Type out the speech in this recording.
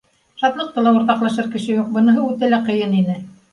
Шатлыҡты ла уртаҡлашыр кеше юҡ, быныһы үтә лә ҡыйын ине.